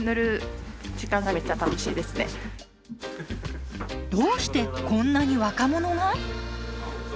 どうしてこんなに若者が？